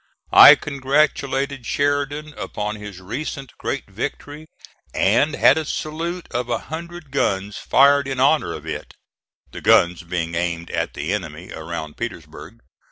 I congratulated Sheridan upon his recent great victory and had a salute of a hundred guns fired in honor of it, the guns being aimed at the enemy around Petersburg.